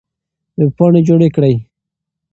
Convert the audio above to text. وېبپاڼې جوړې کړئ.